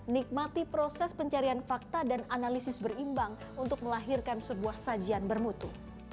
nikmati proses pencarian fakta dan analisis berimbang untuk melahirkan sebuah sajian bermutu